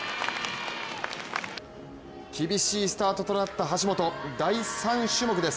厳しいスタートとなった橋本第３種目です。